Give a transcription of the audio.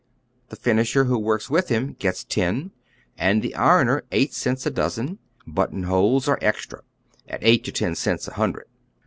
The finisher who works with him gets ten, and the ironer eight cents a dozen; buttonholes are extra, at eight to ten cents a hundred.